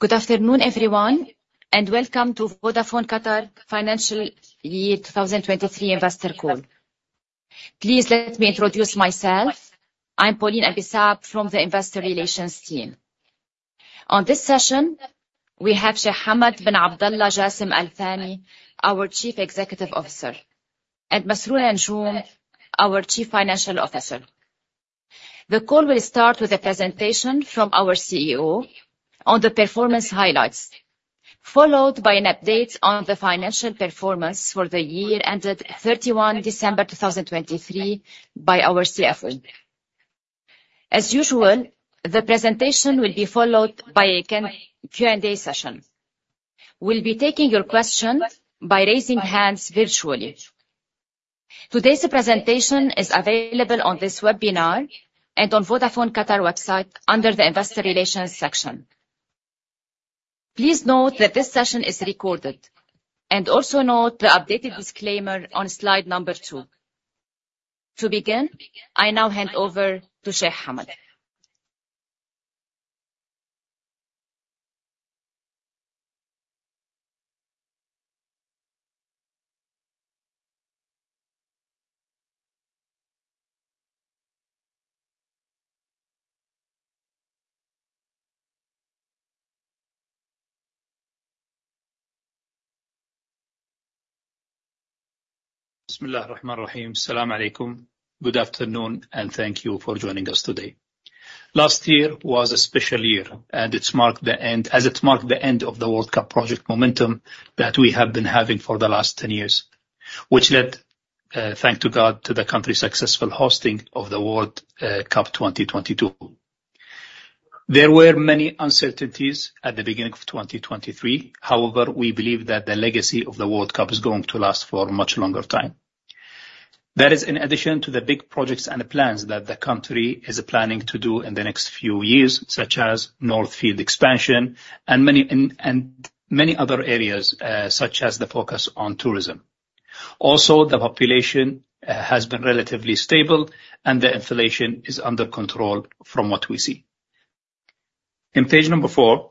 Good afternoon, everyone, and welcome to Vodafone Qatar Financial Year 2023 Investor Call. Please let me introduce myself. I'm Pauline Abisaab from the Investor Relations team. On this session, we have Sheikh Hamad Abdulla Jassim Al-Thani, our Chief Executive Officer, and Masroor Anjum, our Chief Financial Officer. The call will start with a presentation from our CEO on the performance highlights, followed by an update on the financial performance for the year ended 31 December 2023 by our CFO. As usual, the presentation will be followed by a Q&A, Q&A session. We'll be taking your questions by raising hands virtually. Today's presentation is available on this webinar and on Vodafone Qatar website under the Investor Relations section. Please note that this session is recorded, and also note the updated disclaimer on slide number two. To begin, I now hand over to Sheikh Hamad. Good afternoon, and thank you for joining us today. Last year was a special year, and it marked the end, as it marked the end of the World Cup project momentum that we have been having for the last 10 years, which led, thanks to God, to the country's successful hosting of the World Cup 2022. There were many uncertainties at the beginning of 2023. However, we believe that the legacy of the World Cup is going to last for a much longer time. That is in addition to the big projects and the plans that the country is planning to do in the next few years, such as North Field Expansion and many and many other areas, such as the focus on tourism. Also, the population has been relatively stable, and the inflation is under control from what we see. On page number four,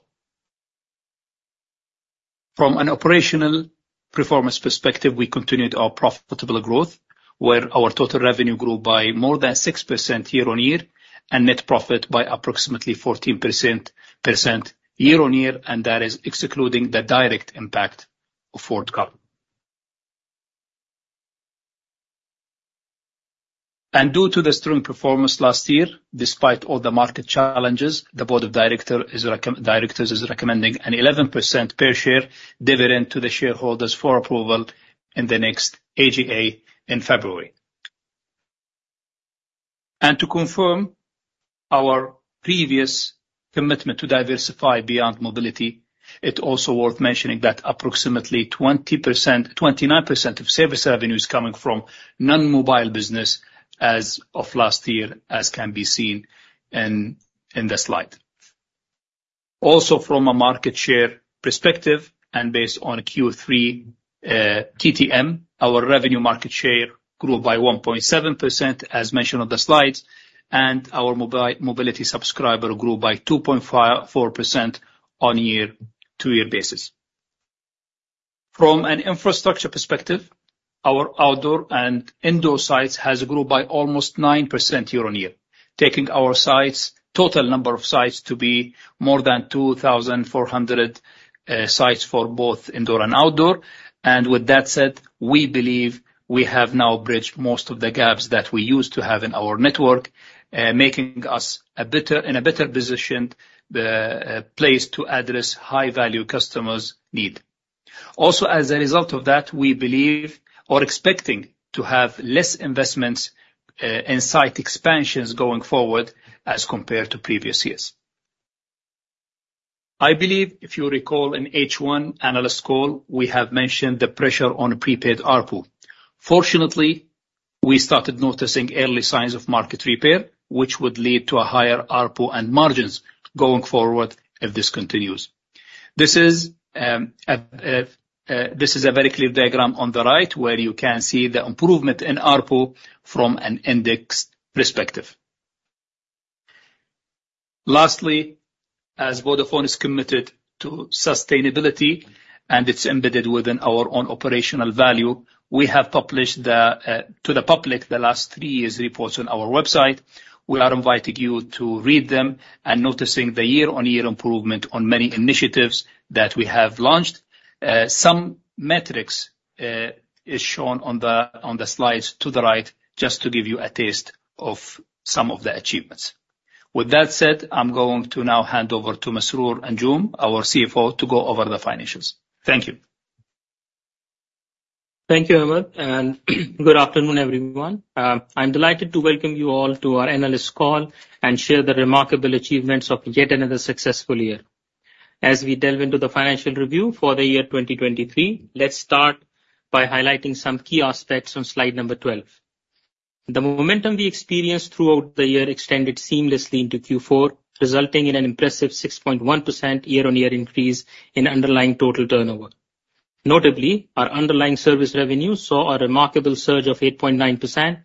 from an operational performance perspective, we continued our profitable growth, where our total revenue grew by more than 6% year-on-year, and net profit by approximately 14% year-on-year, and that is excluding the direct impact of World Cup. Due to the strong performance last year, despite all the market challenges, the board of directors is recommending an 11% per share dividend to the shareholders for approval in the next AGA in February. To confirm our previous commitment to diversify beyond mobility, it's also worth mentioning that approximately 29% of service revenue is coming from non-mobile business as of last year, as can be seen in the slide. Also, from a market share perspective, and based on Q3 TTM, our revenue market share grew by 1.7%, as mentioned on the slides, and our mobility subscriber grew by 2.54% on year-to-year basis. From an infrastructure perspective, our outdoor and indoor sites has grown by almost 9% year-on-year, taking our sites, total number of sites to be more than 2,400 sites for both indoor and outdoor. And with that said, we believe we have now bridged most of the gaps that we used to have in our network, making us a better, in a better position, the place to address high-value customers' need. Also, as a result of that, we believe or expecting to have less investments in site expansions going forward as compared to previous years. I believe, if you recall in H1 analyst call, we have mentioned the pressure on Prepaid ARPU. Fortunately, we started noticing early signs of market repair, which would lead to a higher ARPU and margins going forward if this continues. This is a very clear diagram on the right, where you can see the improvement in ARPU from an index perspective. Lastly, as Vodafone is committed to sustainability, and it's embedded within our own operational value, we have published to the public the last three years' reports on our website. We are inviting you to read them and noticing the year-on-year improvement on many initiatives that we have launched. Some metrics is shown on the slides to the right, just to give you a taste of some of the achievements. With that said, I'm going to now hand over to Masroor Anjum, our CFO, to go over the financials. Thank you. Thank you, Hamad, and good afternoon, everyone. I'm delighted to welcome you all to our analyst call and share the remarkable achievements of yet another successful year. As we delve into the financial review for the year 2023, let's start by highlighting some key aspects on slide 12. The momentum we experienced throughout the year extended seamlessly into Q4, resulting in an impressive 6.1% year-on-year increase in underlying total turnover.... Notably, our underlying service revenue saw a remarkable surge of 8.9%.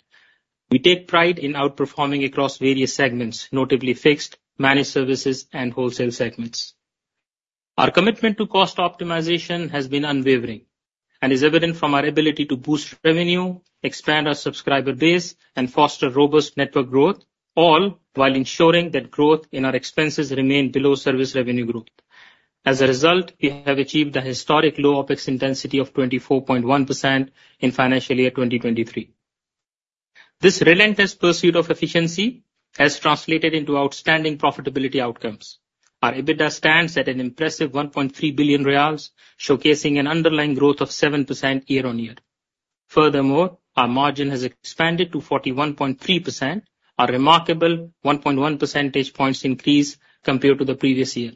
We take pride in outperforming across various segments, notably fixed, managed services, and wholesale segments. Our commitment to cost optimization has been unwavering, and is evident from our ability to boost revenue, expand our subscriber base, and foster robust network growth, all while ensuring that growth in our expenses remain below service revenue growth. As a result, we have achieved a historic low OpEx intensity of 24.1% in financial year 2023. This relentless pursuit of efficiency has translated into outstanding profitability outcomes. Our EBITDA stands at an impressive 1.3 billion riyals, showcasing an underlying growth of 7% year-on-year. Furthermore, our margin has expanded to 41.3%, a remarkable 1.1 percentage points increase compared to the previous year.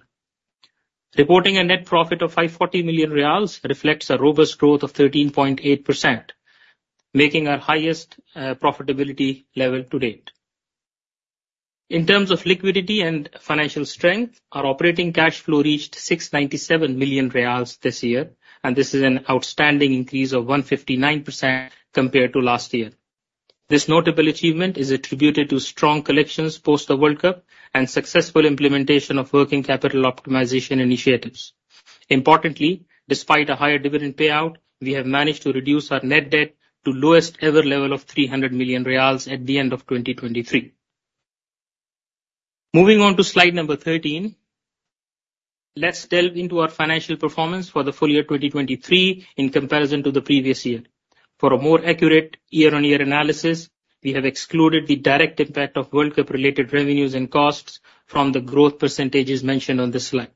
Reporting a net profit of 540 million riyals reflects a robust growth of 13.8%, making our highest profitability level to date. In terms of liquidity and financial strength, our operating cash flow reached QAR 697 million this year, and this is an outstanding increase of 159% compared to last year. This notable achievement is attributed to strong collections post the World Cup and successful implementation of working capital optimization initiatives. Importantly, despite a higher dividend payout, we have managed to reduce our net debt to lowest ever level of 300 million riyals at the end of 2023. Moving on to slide number 13, let's delve into our financial performance for the full year 2023 in comparison to the previous year. For a more accurate year-on-year analysis, we have excluded the direct impact of World Cup-related revenues and costs from the growth percentages mentioned on this slide.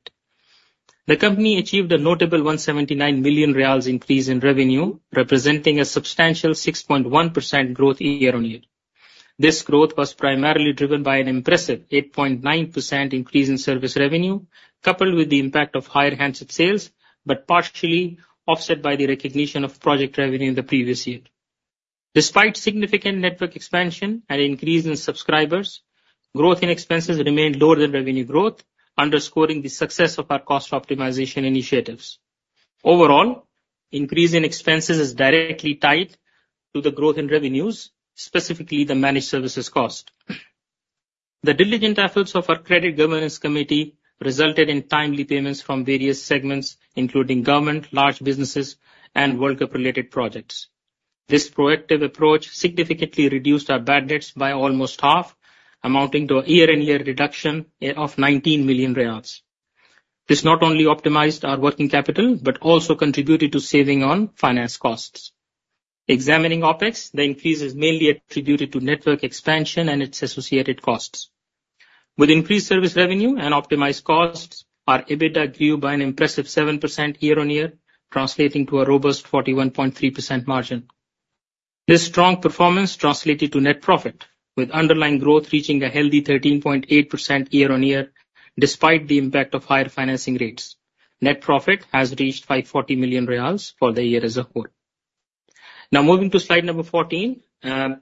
The company achieved a notable 179 million riyals increase in revenue, representing a substantial 6.1% growth year-on-year. This growth was primarily driven by an impressive 8.9% increase in service revenue, coupled with the impact of higher handset sales, but partially offset by the recognition of project revenue in the previous year. Despite significant network expansion and increase in subscribers, growth in expenses remained lower than revenue growth, underscoring the success of our cost optimization initiatives. Overall, increase in expenses is directly tied to the growth in revenues, specifically the managed services cost. The diligent efforts of our credit governance committee resulted in timely payments from various segments, including government, large businesses, and World Cup-related projects. This proactive approach significantly reduced our bad debts by almost half, amounting to a year-on-year reduction of 19 million riyals. This not only optimized our working capital, but also contributed to saving on finance costs. Examining OpEx, the increase is mainly attributed to network expansion and its associated costs. With increased service revenue and optimized costs, our EBITDA grew by an impressive 7% year-on-year, translating to a robust 41.3% margin. This strong performance translated to net profit, with underlying growth reaching a healthy 13.8% year-on-year, despite the impact of higher financing rates. Net profit has reached 540 million riyals for the year as a whole. Now, moving to slide number 14,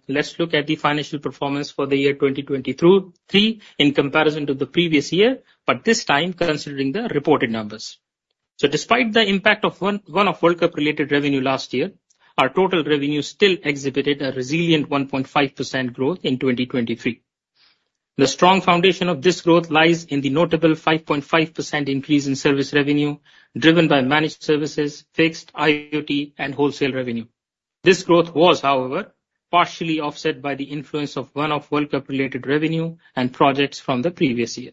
let's look at the financial performance for the year 2023 in comparison to the previous year, but this time considering the reported numbers. Despite the impact of one-off World Cup-related revenue last year, our total revenue still exhibited a resilient 1.5% growth in 2023. The strong foundation of this growth lies in the notable 5.5% increase in service revenue, driven by managed services, fixed IoT, and wholesale revenue. This growth was, however, partially offset by the influence of one-off World Cup-related revenue and projects from the previous year.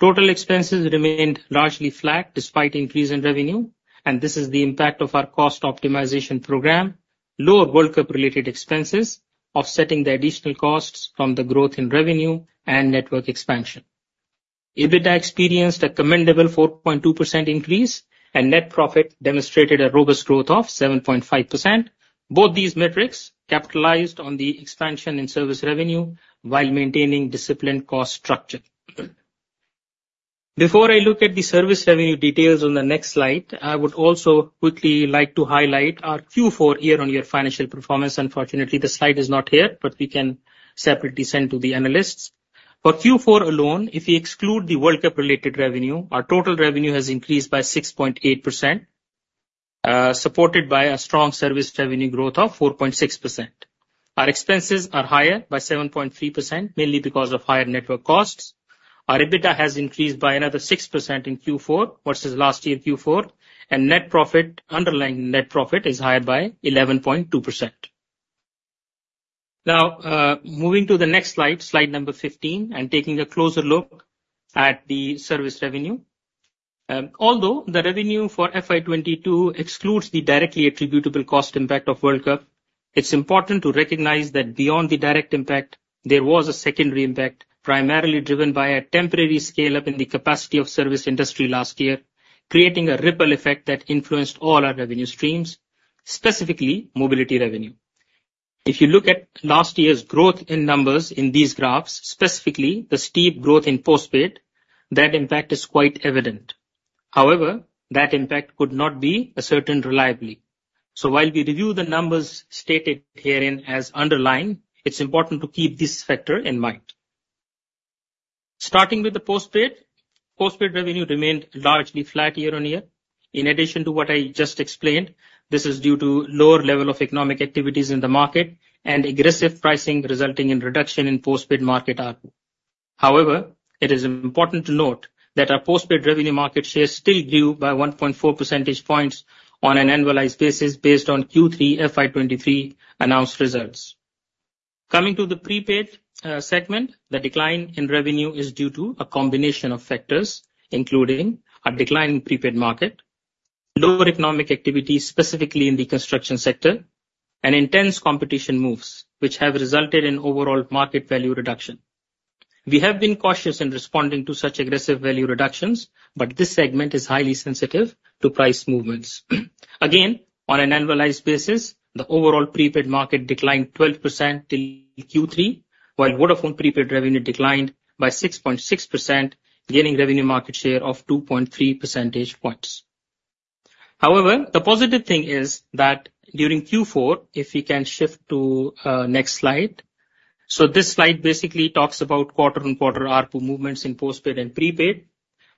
Total expenses remained largely flat despite increase in revenue, and this is the impact of our cost optimization program. Lower World Cup-related expenses, offsetting the additional costs from the growth in revenue and network expansion. EBITDA experienced a commendable 4.2% increase, and net profit demonstrated a robust growth of 7.5%. Both these metrics capitalized on the expansion in service revenue while maintaining disciplined cost structure. Before I look at the service revenue details on the next slide, I would also quickly like to highlight our Q4 year-on-year financial performance. Unfortunately, the slide is not here, but we can separately send to the analysts. For Q4 alone, if we exclude the World Cup-related revenue, our total revenue has increased by 6.8%, supported by a strong service revenue growth of 4.6%. Our expenses are higher by 7.3%, mainly because of higher network costs. Our EBITDA has increased by another 6% in Q4 versus last year, Q4, and net profit, underlying net profit, is higher by 11.2%. Now, moving to the next slide, slide number 15, and taking a closer look at the service revenue. Although the revenue for FY 2022 excludes the directly attributable cost impact of World Cup, it's important to recognize that beyond the direct impact, there was a secondary impact, primarily driven by a temporary scale-up in the capacity of service industry last year, creating a ripple effect that influenced all our revenue streams, specifically mobility revenue. If you look at last year's growth in numbers in these graphs, specifically the steep growth in postpaid, that impact is quite evident. However, that impact could not be ascertained reliably. So while we review the numbers stated herein as underlined, it's important to keep this factor in mind. Starting with the postpaid. Postpaid revenue remained largely flat year-on-year. In addition to what I just explained, this is due to lower level of economic activities in the market and aggressive pricing, resulting in reduction in postpaid market ARPU. However, it is important to note that our postpaid revenue market share still grew by 1.4 percentage points on an annualized basis, based on Q3 FY 2023 announced results. Coming to the prepaid segment, the decline in revenue is due to a combination of factors, including a decline in prepaid market, lower economic activity, specifically in the construction sector, and intense competition moves, which have resulted in overall market value reduction. We have been cautious in responding to such aggressive value reductions, but this segment is highly sensitive to price movements. Again, on an annualized basis, the overall prepaid market declined 12% in Q3, while Vodafone prepaid revenue declined by 6.6%, gaining revenue market share of 2.3%. However, the positive thing is that during Q4, if we can shift to next slide. So this slide basically talks about quarter-on-quarter ARPU movements in postpaid and prepaid.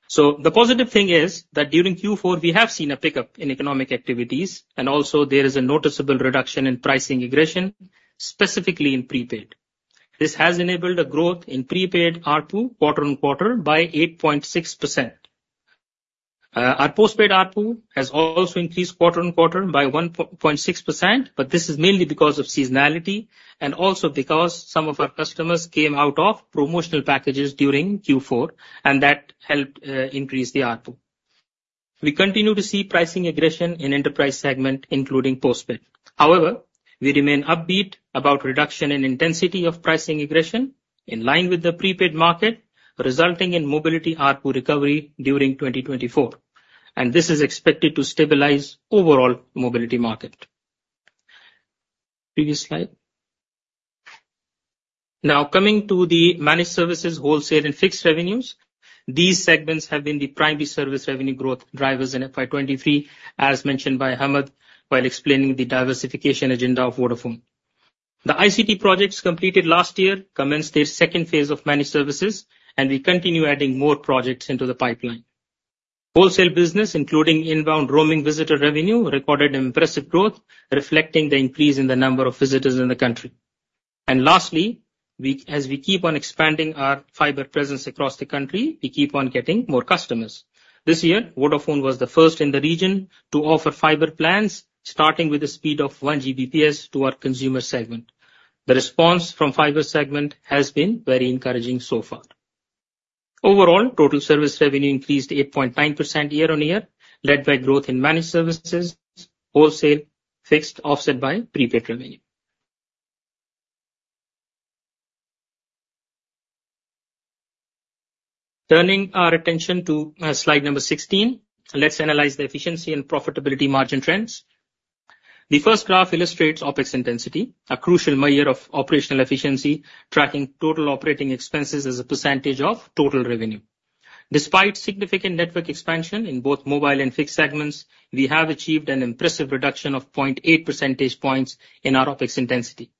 So the positive thing is that during Q4, we have seen a pickup in economic activities, and also there is a noticeable reduction in pricing aggression, specifically in prepaid. This has enabled a growth in prepaid ARPU quarter-on-quarter by 8.6%. Our postpaid ARPU has also increased quarter-on-quarter by 1.6%, but this is mainly because of seasonality and also because some of our customers came out of promotional packages during Q4, and that helped increase the ARPU. We continue to see pricing aggression in enterprise segment, including postpaid. However, we remain upbeat about reduction in intensity of pricing aggression, in line with the prepaid market, resulting in mobility ARPU recovery during 2024, and this is expected to stabilize overall mobility market. Previous slide. Now, coming to the managed services, wholesale, and fixed revenues. These segments have been the primary service revenue growth drivers in FY 23, as mentioned by Hamad while explaining the diversification agenda of Vodafone. The ICT projects completed last year commenced their second phase of managed services, and we continue adding more projects into the pipeline. Wholesale business, including inbound roaming visitor revenue, recorded impressive growth, reflecting the increase in the number of visitors in the country. Lastly, we as we keep on expanding our fiber presence across the country, we keep on getting more customers. This year, Vodafone was the first in the region to offer fiber plans, starting with a speed of 1 Gbps to our consumer segment. The response from fiber segment has been very encouraging so far. Overall, total service revenue increased 8.9% year-on-year, led by growth in managed services, wholesale, fixed, offset by prepaid revenue. Turning our attention to slide number 16, let's analyze the efficiency and profitability margin trends. The first graph illustrates OpEx intensity, a crucial measure of operational efficiency, tracking total operating expenses as a percentage of total revenue. Despite significant network expansion in both mobile and fixed segments, we have achieved an impressive reduction of 0.8 percentage points in our OpEx intensity.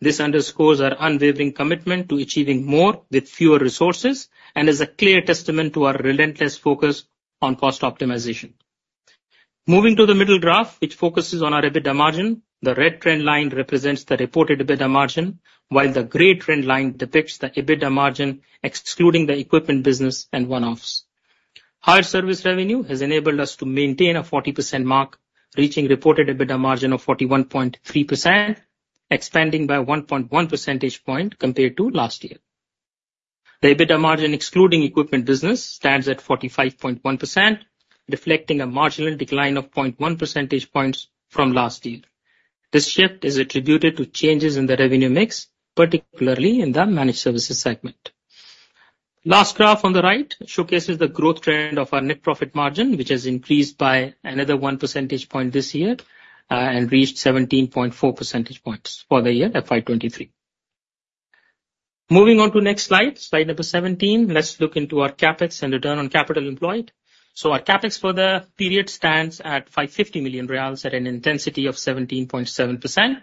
This underscores our unwavering commitment to achieving more with fewer resources and is a clear testament to our relentless focus on cost optimization. Moving to the middle graph, which focuses on our EBITDA margin, the red trend line represents the reported EBITDA margin, while the gray trend line depicts the EBITDA margin, excluding the equipment business and one-offs. Higher service revenue has enabled us to maintain a 40% mark, reaching reported EBITDA margin of 41.3%, expanding by 1.1 % compared to last year. The EBITDA margin, excluding equipment business, stands at 45.1%, reflecting a marginal decline of 0.1% from last year. This shift is attributed to changes in the revenue mix, particularly in the managed services segment. Last graph on the right showcases the growth trend of our net profit margin, which has increased by another 1 percentage point this year, and reached 17.4% for the year FY 2023. Moving on to next slide, slide number 17, let's look into our CapEx and return on capital employed. So our CapEx for the period stands at 550 million riyals at an intensity of 17.7%.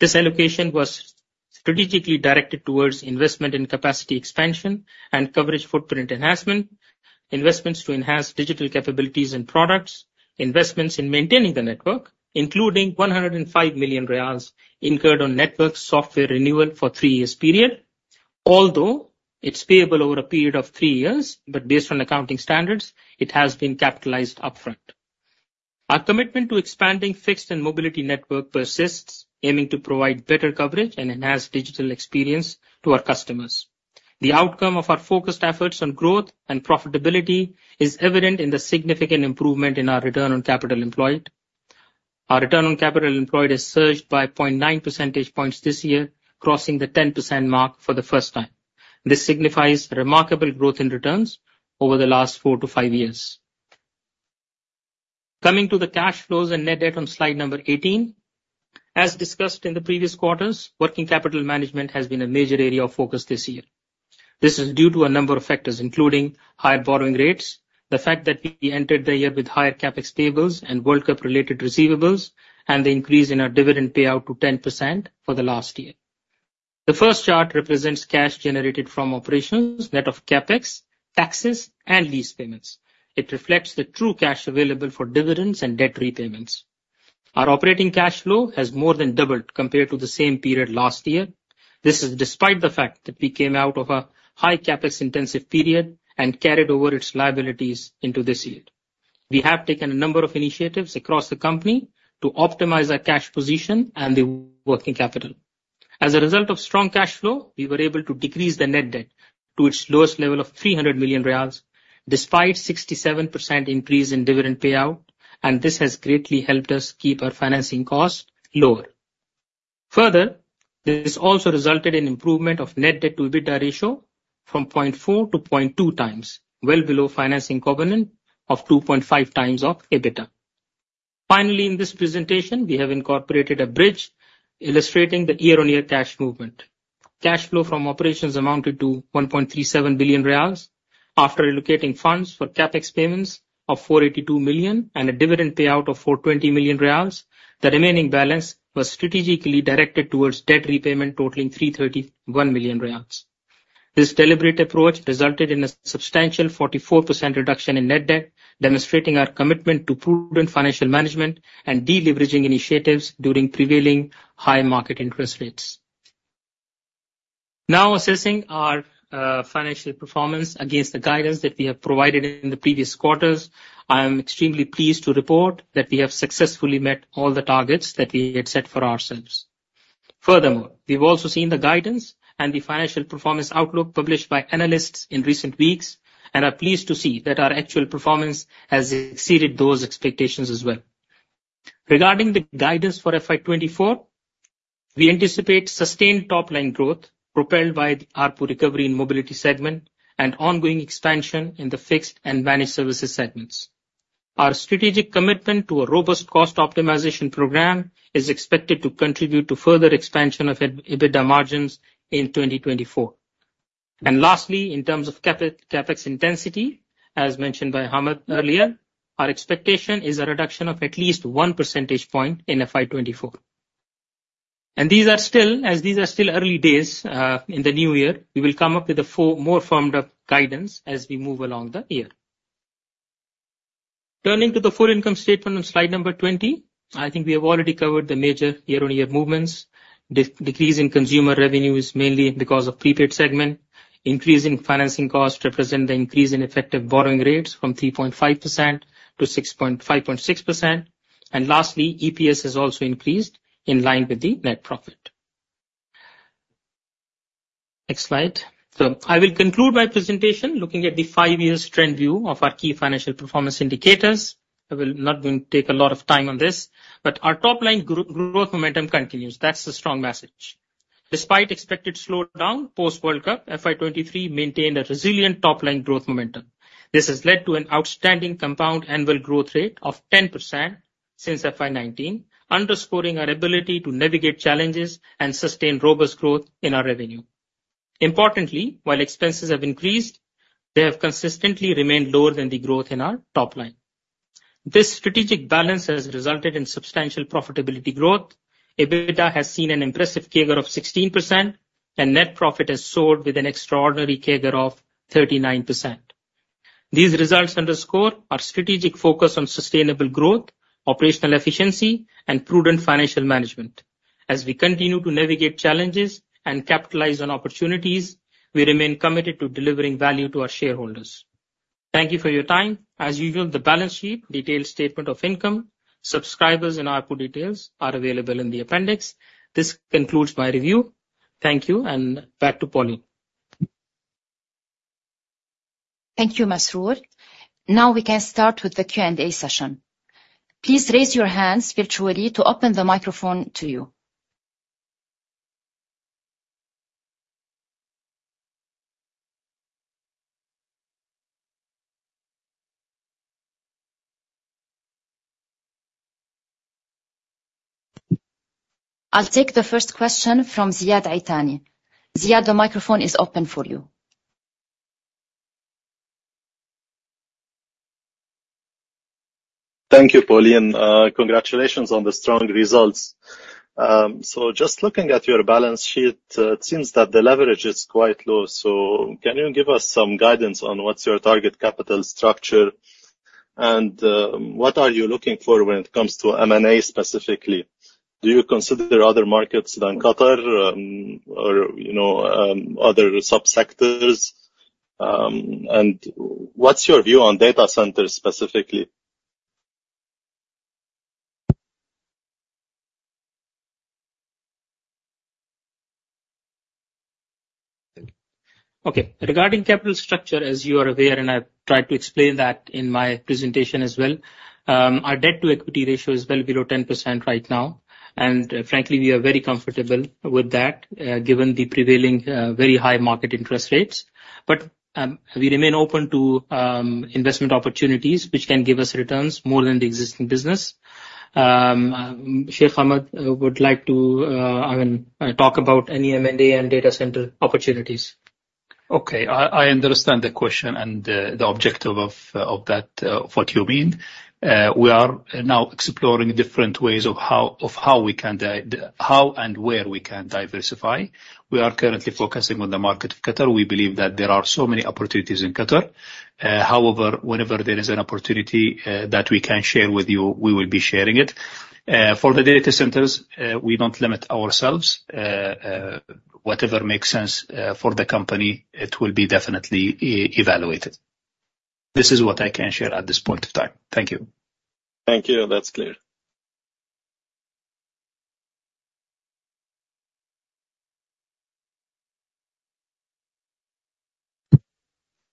This allocation was strategically directed towards investment in capacity expansion and coverage footprint enhancement, investments to enhance digital capabilities and products, investments in maintaining the network, including 105 million riyals incurred on network software renewal for three-year period. Although it's payable over a period of three years, but based on accounting standards, it has been capitalized upfront. Our commitment to expanding fixed and mobility network persists, aiming to provide better coverage and enhance digital experience to our customers. The outcome of our focused efforts on growth and profitability is evident in the significant improvement in our Return on Capital Employed. Our Return on Capital Employed has surged by 0.9% this year, crossing the 10% mark for the first time. This signifies remarkable growth in returns over the lastfour to five years. Coming to the cash flows and net debt on slide number 18. As discussed in the previous quarters, working capital management has been a major area of focus this year. This is due to a number of factors, including higher borrowing rates, the fact that we entered the year with higher CapEx tables and World Cup-related receivables, and the increase in our dividend payout to 10% for the last year. The first chart represents cash generated from operations, net of CapEx, taxes, and lease payments. It reflects the true cash available for dividends and debt repayments. Our operating cash flow has more than doubled compared to the same period last year. This is despite the fact that we came out of a high CapEx intensive period and carried over its liabilities into this year. We have taken a number of initiatives across the company to optimize our cash position and the working capital. As a result of strong cash flow, we were able to decrease the net debt to its lowest level of 300 million riyals, despite 67% increase in dividend payout, and this has greatly helped us keep our financing costs lower. Further, this also resulted in improvement of net debt to EBITDA ratio from 0.4x to 0.2x, well below financing covenant of 2.5x of EBITDA. Finally, in this presentation, we have incorporated a bridge illustrating the year-on-year cash movement. Cash flow from operations amounted to 1.37 billion riyals. After allocating funds for CapEx payments of 482 million and a dividend payout of 420 million riyals, the remaining balance was strategically directed towards debt repayment, totaling 331 million riyals. This deliberate approach resulted in a substantial 44% reduction in net debt, demonstrating our commitment to prudent financial management and deleveraging initiatives during prevailing high market interest rates. Now, assessing our financial performance against the guidance that we have provided in the previous quarters, I am extremely pleased to report that we have successfully met all the targets that we had set for ourselves. Furthermore, we've also seen the guidance and the financial performance outlook published by analysts in recent weeks, and are pleased to see that our actual performance has exceeded those expectations as well. Regarding the guidance for FY 2024, we anticipate sustained top-line growth, propelled by the ARPU recovery in mobility segment and ongoing expansion in the fixed and managed services segments. Our strategic commitment to a robust cost optimization program is expected to contribute to further expansion of EBITDA margins in 2024. Last, in terms of CapEx, CapEx intensity, as mentioned by Hamad earlier, our expectation is a reduction of at least 1% in FY 2024. And these are still early days in the new year, we will come up with a more firmed up guidance as we move along the year. Turning to the full income statement on slide number 20, I think we have already covered the major year-on-year movements. Decrease in consumer revenue is mainly because of prepaid segment. Increase in financing costs represent the increase in effective borrowing rates from 3.5% to 5.6%. And lastly, EPS has also increased in line with the net profit. Next slide. So I will conclude my presentation looking at the five-year trend view of our key financial performance indicators. I'm not going to take a lot of time on this, but our top-line growth momentum continues. That's the strong message. Despite expected slowdown post-World Cup, FY 2023 maintained a resilient top-line growth momentum. This has led to an outstanding compound annual growth rate of 10% since FY 2019, underscoring our ability to navigate challenges and sustain robust growth in our revenue. Importantly, while expenses have increased, they have consistently remained lower than the growth in our top line. This strategic balance has resulted in substantial profitability growth. EBITDA has seen an impressive CAGR of 16%, and net profit has soared with an extraordinary CAGR of 39%. These results underscore our strategic focus on sustainable growth, operational efficiency, and prudent financial management. As we continue to navigate challenges and capitalize on opportunities, we remain committed to delivering value to our shareholders. Thank you for your time. As usual, the balance sheet, detailed statement of income, subscribers, and ARPU details are available in the appendix. This concludes my review. Thank you, and back to Pauline. Thank you, Masroor. Now we can start with the Q&A session. Please raise your hands virtually to open the microphone to you. I'll take the first question from Ziad Itani. Ziad, the microphone is open for you. Thank you, Pauline. Congratulations on the strong results. So just looking at your balance sheet, it seems that the leverage is quite low. So can you give us some guidance on what's your target capital structure? And, what are you looking for when it comes to M&A specifically? Do you consider other markets than Qatar, or you know, other sub-sectors? And what's your view on data centers specifically? Thank you. Okay. Regarding capital structure, as you are aware, and I tried to explain that in my presentation as well, our debt-to-equity ratio is well below 10% right now, and frankly, we are very comfortable with that, given the prevailing, very high market interest rates. But, we remain open to, investment opportunities which can give us returns more than the existing business. Sheikh Ahmed would like to, I mean, talk about any M&A and data center opportunities. Okay, I understand the question and the objective of that, what you mean. We are now exploring different ways of how and where we can diversify. We are currently focusing on the market of Qatar. We believe that there are so many opportunities in Qatar. However, whenever there is an opportunity that we can share with you, we will be sharing it. For the data centers, we don't limit ourselves. Whatever makes sense for the company, it will be definitely evaluated. This is what I can share at this point of time. Thank you. Thank you. That's clear.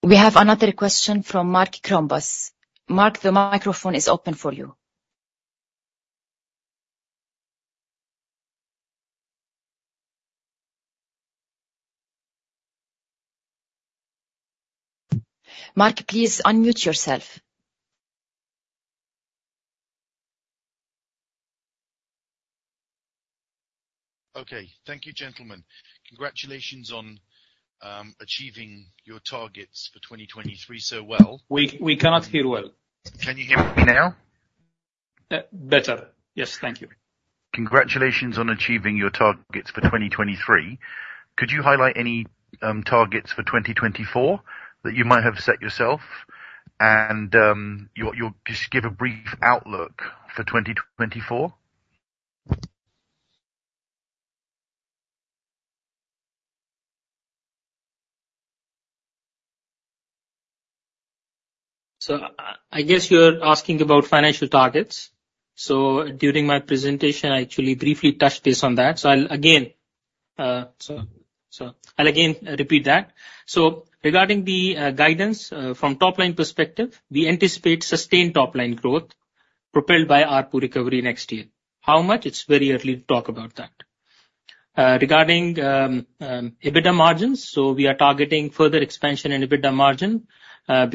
We have another question from Mark Krombas. Mark, the microphone is open for you. Mark, please unmute yourself. Okay. Thank you, gentlemen. Congratulations on achieving your targets for 2023 so well. We cannot hear well. Can you hear me now? Better. Yes, thank you. Congratulations on achieving your targets for 2023. Could you highlight any targets for 2024 that you might have set yourself? And you just give a brief outlook for 2024? I guess you're asking about financial targets. During my presentation, I actually briefly touched base on that. I'll again repeat that. Regarding the guidance from top-line perspective, we anticipate sustained top-line growth propelled by ARPU recovery next year. How much? It's very early to talk about that. Regarding EBITDA margins, we are targeting further expansion in EBITDA margin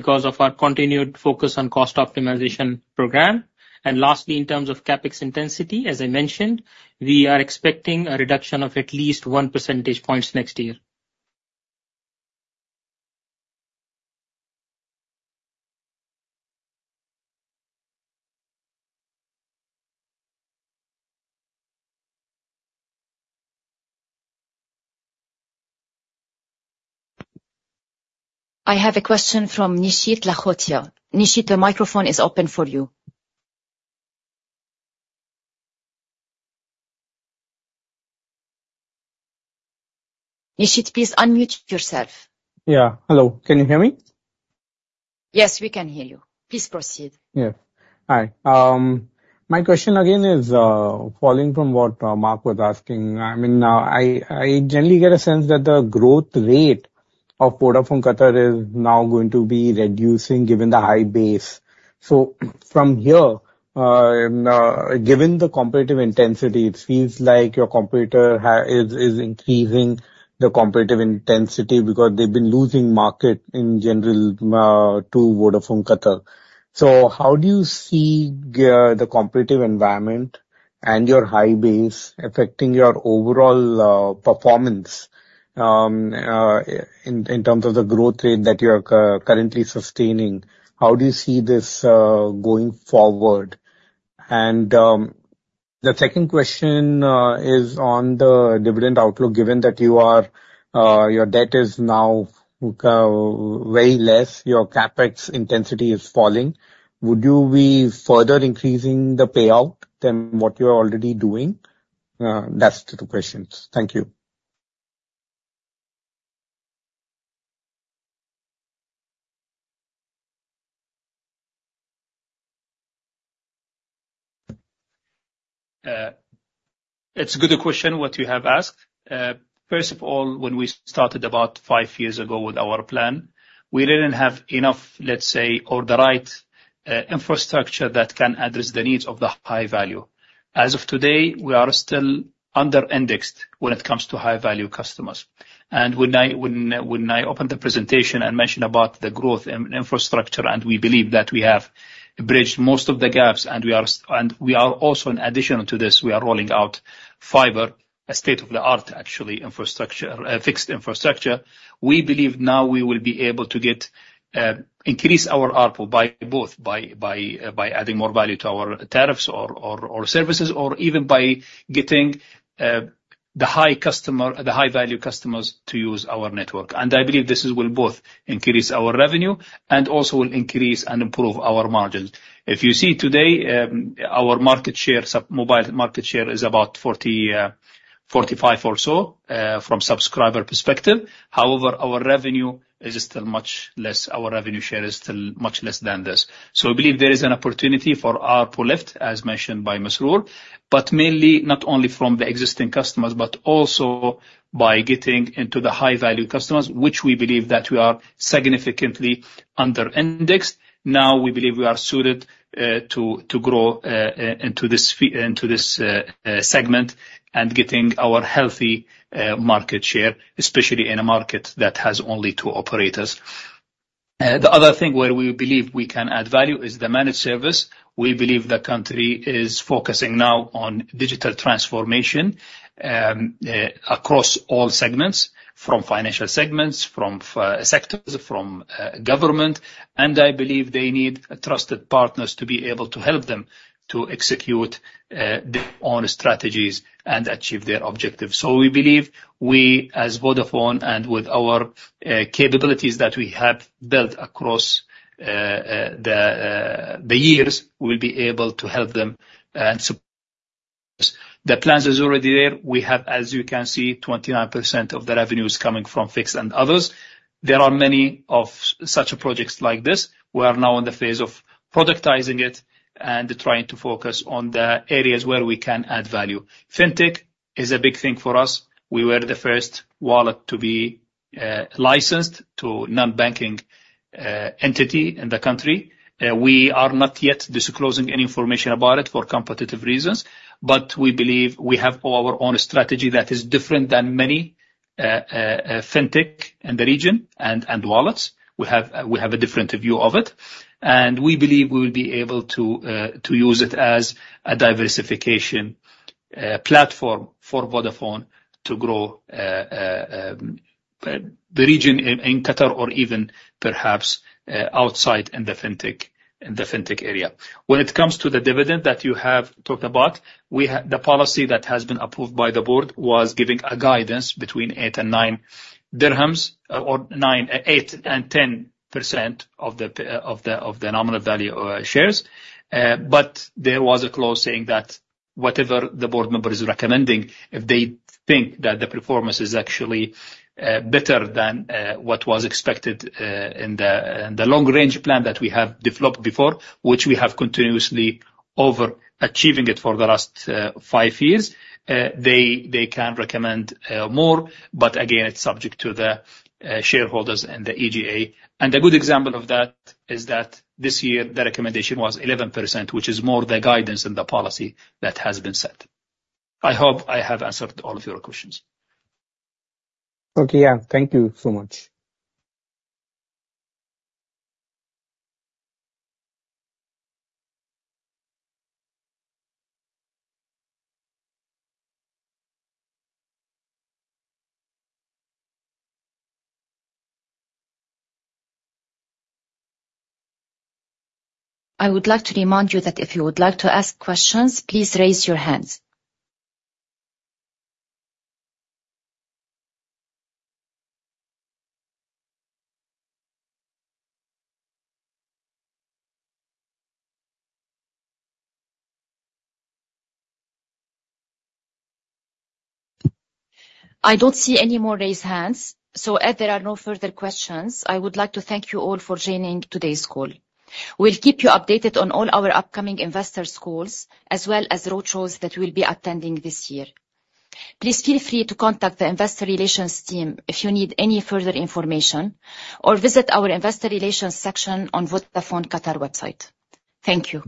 because of our continued focus on cost optimization program. And lastly, in terms of CapEx intensity, as I mentioned, we are expecting a reduction of at least 1 percentage points next year. I have a question from Nishit Lakhotia. Nishit, the microphone is open for you. Nishit, please unmute yourself. Yeah. Hello, can you hear me? Yes, we can hear you. Please proceed. Yeah. Hi. My question again is, following from what Mark was asking. I mean, I generally get a sense that the growth rate of Vodafone Qatar is now going to be reducing given the high base. So from here, and, given the competitive intensity, it feels like your competitor is increasing the competitive intensity because they've been losing market in general to Vodafone Qatar. So how do you see the competitive environment and your high base affecting your overall performance in terms of the growth rate that you are currently sustaining? How do you see this going forward? The second question is on the dividend outlook, given that you are, your debt is now way less, your CapEx intensity is falling, would you be further increasing the payout than what you're already doing? That's the two questions. Thank you. It's a good question, what you have asked. First of all, when we started about five years ago with our plan, we didn't have enough, let's say, or the right, infrastructure that can address the needs of the high value. As of today, we are still under-indexed when it comes to high-value customers. And when I opened the presentation and mentioned about the growth in infrastructure, and we believe that we have bridged most of the gaps, and we are also, in addition to this, we are rolling out fiber, a state-of-the-art, actually, infrastructure, fixed infrastructure. We believe now we will be able to get, increase our ARPU by both by, by, by adding more value to our tariffs or, or, services or even by getting, the high-value customers to use our network. And I believe this will both increase our revenue and also will increase and improve our margins. If you see today, our market share, sub-mobile market share is about 40, 45 or so, from subscriber perspective. However, our revenue is still much less. Our revenue share is still much less than this. So I believe there is an opportunity for ARPU lift, as mentioned by Masroor, but mainly not only from the existing customers, but also by getting into the high-value customers, which we believe that we are significantly under-indexed. Now, we believe we are suited to grow into this segment and getting our healthy market share, especially in a market that has only two operators. The other thing where we believe we can add value is the managed service. We believe the country is focusing now on digital transformation across all segments, from financial segments, from sectors, from government, and I believe they need trusted partners to be able to help them to execute their own strategies and achieve their objectives. So we believe we, as Vodafone, and with our capabilities that we have built across the years, we'll be able to help them and support. The plans is already there. We have, as you can see, 29% of the revenue is coming from fixed and others. There are many of such projects like this. We are now in the phase of productizing it and trying to focus on the areas where we can add value. Fintech is a big thing for us. We were the first wallet to be licensed to non-banking entity in the country. We are not yet disclosing any information about it for competitive reasons, but we believe we have our own strategy that is different than many fintech in the region and wallets. We have a different view of it, and we believe we will be able to use it as a diversification platform for Vodafone to grow the region in Qatar or even perhaps outside in the fintech area. When it comes to the dividend that you have talked about, we have... The policy that has been approved by the board was giving a guidance between 8-QAR 9%, or 8%-10% of the nominal value of shares. But there was a clause saying that whatever the board member is recommending, if they think that the performance is actually better than what was expected in the long-range plan that we have developed before, which we have continuously overachieving it for the last five years, they can recommend more, but again, it's subject to the shareholders and the AGA. A good example of that is that this year, the recommendation was 11%, which is more the guidance and the policy that has been set. I hope I have answered all of your questions. Okay, yeah. Thank you so much. I would like to remind you that if you would like to ask questions, please raise your hands. I don't see any more raised hands, so if there are no further questions, I would like to thank you all for joining today's call. We'll keep you updated on all our upcoming investors calls, as well as roadshows that we'll be attending this year. Please feel free to contact the investor relations team if you need any further information, or visit our investor relations section on Vodafone Qatar website. Thank you.